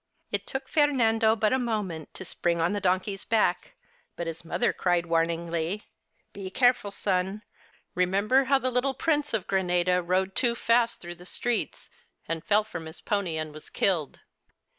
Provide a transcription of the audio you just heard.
It took Fernando but a moment to spring on the donkey's back, but his mother cried, warningly : The Holidays 59 ci Be careful, son ! Remember how the little Prince of Granada rode too fast through the streets, and fell from his pony and was killed."